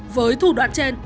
với thủ đoạn trên